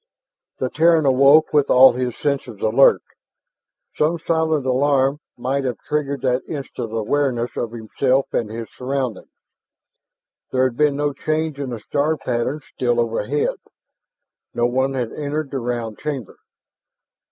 The Terran awoke with all his senses alert; some silent alarm might have triggered that instant awareness of himself and his surroundings. There had been no change in the star pattern still overhead; no one had entered the round chamber.